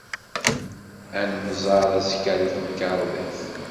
Ad nemmẓer azekka, deg temkarḍit.